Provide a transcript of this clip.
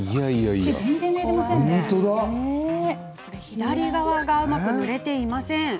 左側がうまく塗れていません。